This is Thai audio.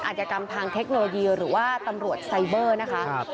อาจกรรมทางเทคโนโลยีหรือว่าตำรวจไซเบอร์นะคะ